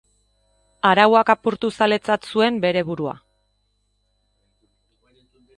Arauak apurtu zaletzat zuen bere burua.